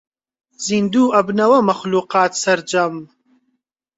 زیندوو ئەبنەوە مەخلووقات سەرجەم